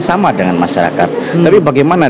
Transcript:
sama dengan masyarakat tapi bagaimana